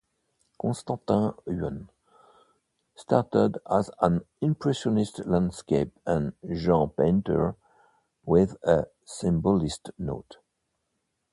Konstantin Yuon started as an Impressionist landscape and genre painter with a Symbolist note.